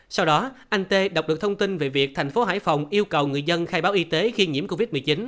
sau đó anh tê đọc được thông tin về việc thành phố hải phòng yêu cầu người dân khai báo y tế khi nhiễm covid một mươi chín